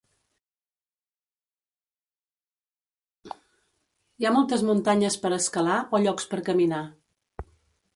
Hi ha moltes muntanyes per escalar o llocs per caminar.